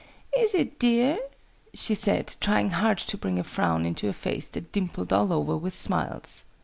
"Is it, dear?" she said, trying hard to bring a frown into a face that dimpled all over with smiles.